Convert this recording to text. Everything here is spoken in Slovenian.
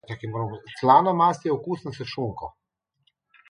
Slana mast je okusna s šunko.